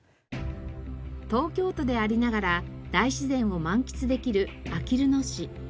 東京都でありながら大自然を満喫できるあきる野市。